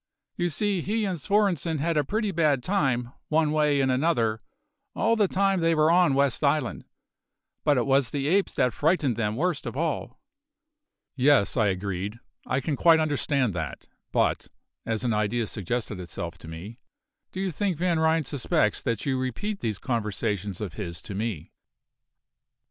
You see, he and Svorenssen had a pretty bad time, one way and another, all the time they were on West Island; but it was the apes that frightened them worst of all." "Yes," I agreed, "I can quite understand that; but," as an idea suggested itself to me "do you think Van Ryn suspects that you repeat these conversations of his to me?"